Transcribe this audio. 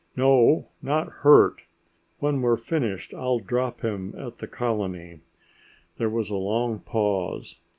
"No, not hurt. When we're finished I'll drop him at the colony." There was a long pause.